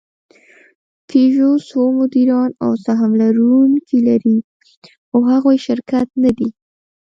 پيژو څو مدیران او سهم لرونکي لري؛ خو هغوی شرکت نهدي.